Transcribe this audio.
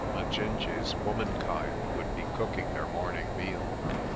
Majinje's womankind would be cooking their morning meal.